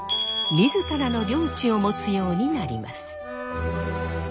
自らの領地を持つようになります。